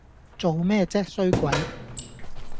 做咩啫衰鬼